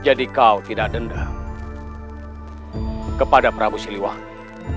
jadi kau tidak dendam kepada prabu siliwangi